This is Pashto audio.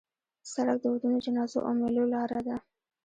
سړک د ودونو، جنازو او میلو لاره ده.